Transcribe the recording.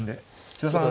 千田さん